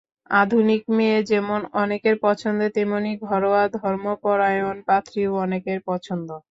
আধুনিক মেয়ে যেমন অনেকের পছন্দ তেমনি ঘরোয়া, ধর্মপরায়ণ পাত্রীও অনেকের পছন্দ।